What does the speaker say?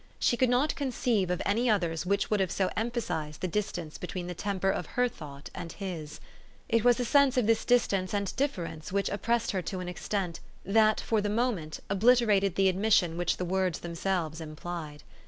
She could not conceive of any others which would have so emphasized the dis tance between the temper of her thought and his. It was the sense of this distance and difference which oppressed her to an extent, that, for the moment, obliterated the admission which the words them selves implied.